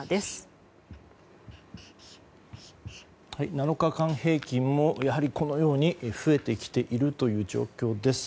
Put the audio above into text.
７日間平均もこのように増えてきている状況です。